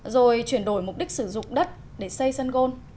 rồi chuyển đổi mục đích sử dụng đất để xây sân gôn